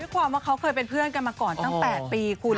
ความว่าเขาเคยเป็นเพื่อนกันมาก่อนตั้ง๘ปีคุณ